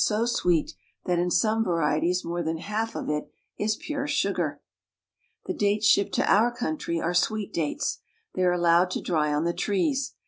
BO sweet that in some (varieties more than lalf of it is pure Psugar. The dates shippud ' to our country vl sweet dates. The_\ ai^ allowed to dry on tb trees.